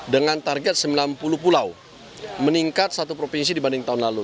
dengan target sembilan puluh pulau meningkat satu provinsi dibanding tahun lalu